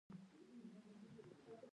دوی له ابدالي سره تر پېښور پوري ملګري شول.